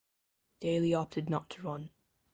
Daley opted not to run.